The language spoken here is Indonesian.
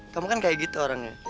kamu kan kayak gitu orangnya